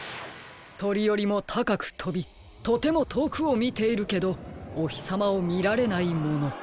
とりよりもたかくとびとてもとおくをみているけどおひさまをみられないもの。